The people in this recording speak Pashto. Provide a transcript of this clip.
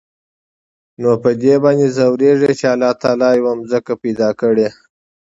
نو په دې باندې ځوريږي چې د الله تعال يوه ځمکه پېدا کړى.